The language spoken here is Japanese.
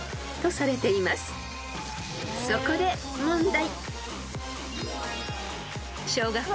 ［そこで問題］